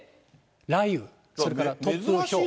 雷雨、それから突風、ひょう。